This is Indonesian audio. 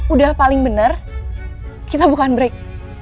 udah paling benar kita bukan break